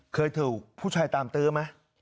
เคยถูกผู้ชายตามตื้อไหม